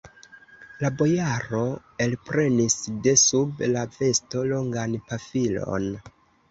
La bojaro elprenis de sub la vesto longan pafilon.